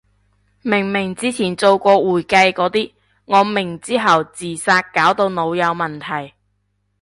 明明之前做過會計個啲，我明之後自殺搞到腦有問題